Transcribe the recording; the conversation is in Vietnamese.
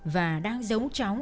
và đang giấu cháu